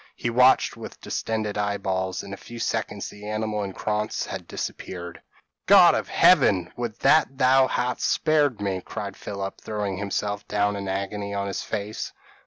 He watched with distended eyeballs; in a few seconds the animal and Krantz had disappeared! "God of Heaven! would that thou hadst spared me this," cried Philip, throwing himself down in agony on his face.